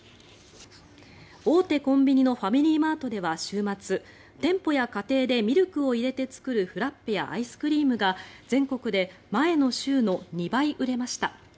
大手コンビニのファミリーマートでは週末店舗や家庭でミルクを入れて作るフラッペやアイスクリームが全国で前の週の２倍売れました。